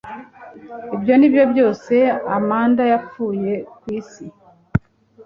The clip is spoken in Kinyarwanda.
Ibyo ari byo byose Amanda yapfuye ku isi